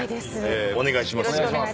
お願いします。